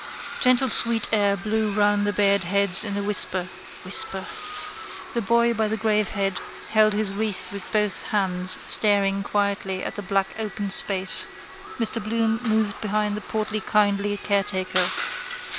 Gentle sweet air blew round the bared heads in a whisper. Whisper. The boy by the gravehead held his wreath with both hands staring quietly in the black open space. Mr Bloom moved behind the portly kindly caretaker.